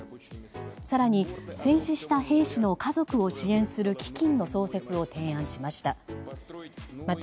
更に、戦死した兵士の家族を支援する基金の創設を提案しました。